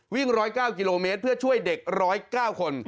๑๐๙กิโลเมตรเพื่อช่วยเด็ก๑๐๙คน